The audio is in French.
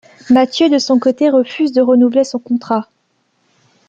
Mathieu de son côté refuse de renouveler son contrat.